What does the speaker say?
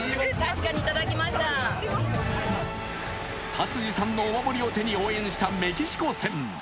達治さんのお守りを手に応援したメキシコ戦。